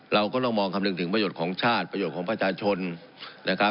เราก็ต้องมองคำนึงถึงประโยชน์ของชาติประโยชน์ของประชาชนนะครับ